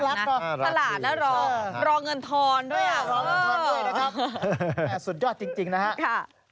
น่ารักนะสละแล้วรอเงินทอนด้วยรอเงินทอนด้วยนะครับสุดยอดจริงนะครับ